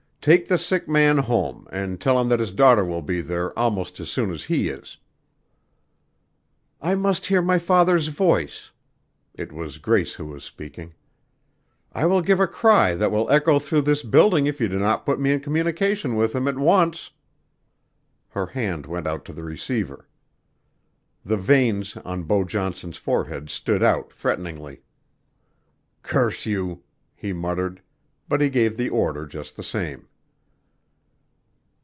Take the sick man home and tell him that his daughter will be there almost as soon as he is." "I must hear my father's voice." It was Grace who was speaking. "I will give a cry that will echo through this building if you do not put me in communication with him at once." Her hand went out to the receiver. The veins on Beau Johnson's forehead stood out threateningly. "Curse you!" he muttered; but he gave the order just the same.